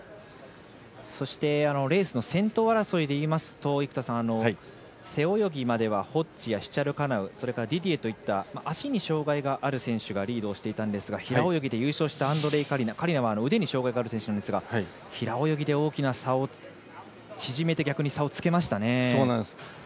そしてレースの先頭争いでいいますと背泳ぎまではホッジやシチャルカナウやそれからディディエといった足に障がいがある選手がリードをしていたんですが平泳ぎで優勝したカリナはゆでに障がいがある選手なんですが平泳ぎで大きな差を縮めて逆に差をつけましたね。